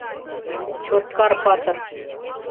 «Чоткар-патыр!